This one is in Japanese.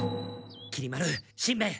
きり丸しんべヱ